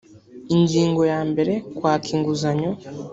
ingingo ya mbere kwaka inguzanyo